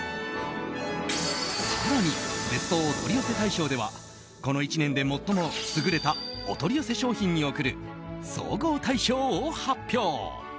更にベストお取り寄せ大賞ではこの１年で最も優れたお取り寄せ商品に贈る総合大賞を発表。